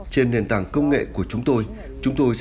trên nền tảng công nghệ của chúng tôi